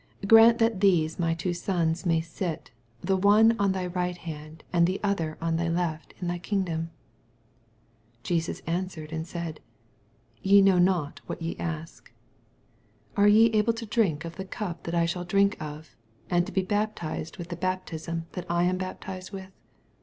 Grant that these m^ two sons may sit, the one on thy rij^ht hand, and the other on the left, in thy kingdom. 22 But Jesus answered and said, Te know not what ye ask. Are ye able to drink of the cup that I shall drink of, and to be baptized with the baptism that I am baptized with?